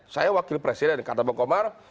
saya wakil presiden kata bang komar